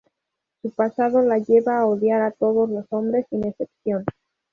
Su pasado la lleva a odiar a todos los hombres, sin excepción.